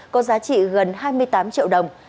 có giá trị gần hai mươi tám triệu đồng